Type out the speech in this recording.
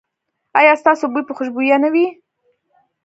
ایا ستاسو بوی به خوشبويه نه وي؟